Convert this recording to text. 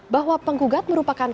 bahwa penggugat merupakan